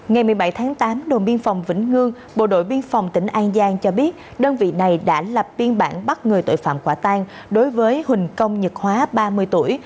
ngày một mươi bảy tháng tám đồn biên phòng vĩnh ngương bộ đội biên phòng tỉnh an giang cho biết đơn vị này đã lập biên bản bắt người tội phạm quả tan đối với huỳnh công nhật hóa ba mươi tuổi